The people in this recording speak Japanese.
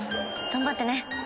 頑張ってね。